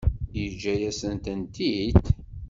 Yeǧǧa-yasent-tent-id?